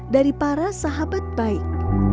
dari para sahabat baik